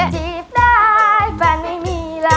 เดี๋ยวเขาบอกแม่จะเอามูชิ้นลู